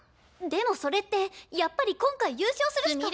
でもそれってやっぱり今回優勝するしか！